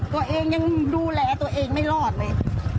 ตัวเองยังดูแลตัวเองไม่รอดเลย